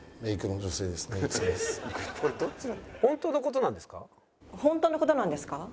本当の事なんですか？